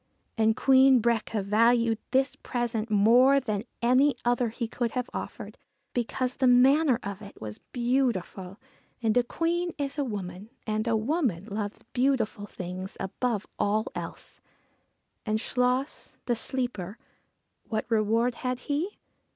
And Queen Breaca valued this present more than any other he could have offered, because the manner of it was beautiful, and a Queen is a woman, and a woman loves beautiful things above all else. And Chluas, the sleeper what reward had he?